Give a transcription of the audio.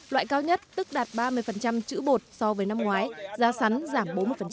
loại cao nhất tức đạt ba mươi chữ bột so với năm ngoái giá sắn giảm bốn mươi